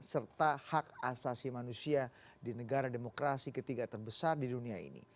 serta hak asasi manusia di negara demokrasi ketiga terbesar di dunia ini